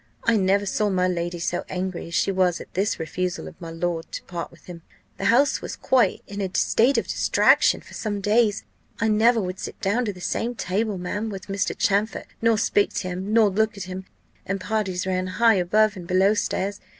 I never saw my lady so angry as she was at this refusal of my lord to part with him. The house was quite in a state of distraction for some days. I never would sit down to the same table, ma'am, with Mr. Champfort, nor speak to him, nor look at him, and parties ran high above and below stairs.